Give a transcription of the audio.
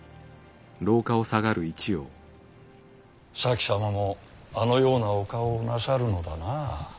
前様もあのようなお顔をなさるのだな。